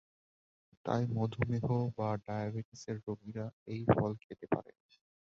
তাই মধুমেহ বা ডায়াবেটিসের রোগীরা এই ফল খেতে পারেন।